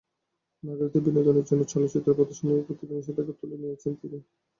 নাগরিকদের বিনোদনের জন্য চলচ্চিত্র প্রদর্শনীর ওপর থেকে নিষেধাজ্ঞা তুলে নিয়েছেন তিনি।